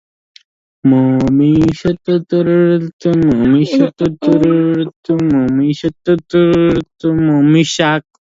However, Christianity was the real passion of his life; psychology was simply an occupation.